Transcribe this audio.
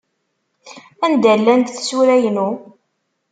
Anda llant tsura-inu?